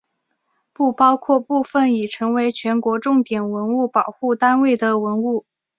不包括部分已成为全国重点文物保护单位的文物。